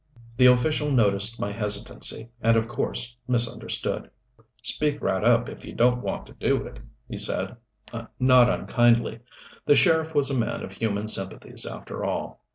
The official noticed my hesitancy, and of course misunderstood. "Speak right up, if you don't want to do it," he said, not unkindly. The sheriff was a man of human sympathies, after all.